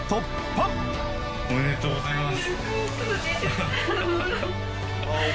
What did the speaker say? おめでとうございます。